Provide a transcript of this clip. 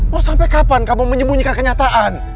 mau sampai kapan kamu menyembunyikan kenyataan